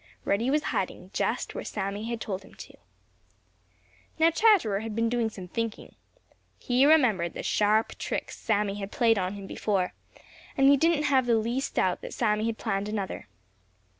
Reddy was hiding just where Sammy had told him to. Now Chatterer had been doing some quick thinking. He remembered the sharp tricks Sammy had played on him before, and he didn't have the least doubt that Sammy had planned another.